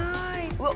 うわっ！